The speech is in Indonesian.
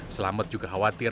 selamat juga khawatir